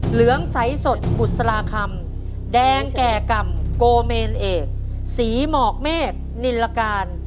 เหลืองใสสดบุษราคำแดงแก่กรรมโกเมนเอกสีหมอกเมฆนินลการ